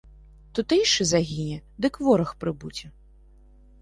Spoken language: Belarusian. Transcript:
Тутэйшы загіне, дык вораг прыбудзе!